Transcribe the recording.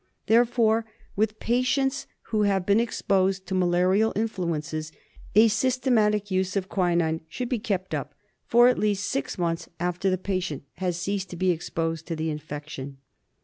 Therefore, with patients 200 TREATMENT OF who have been exposed to malarial influences, a syste matic use of quinine should be kept up for at least six months after the patient has ceased to be exposed to the infection.